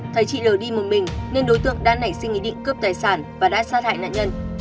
thấy chị lờ đi một mình nên đối tượng đã nảy sinh ý định cướp tài sản và đã sát hại nạn nhân